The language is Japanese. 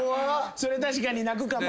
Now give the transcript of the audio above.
それ確かに泣くかも。